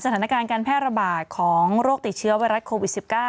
สถานการณ์การแพร่ระบาดของโรคติดเชื้อไวรัสโควิด๑๙